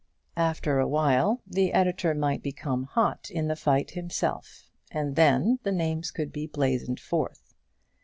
After a while the editor might become hot in the fight himself, and then the names could be blazoned forth.